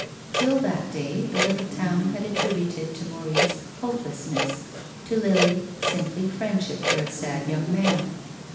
Till that day the little town had attributed to Maurice hopelessness, to Lily simply friendship for a sad young man.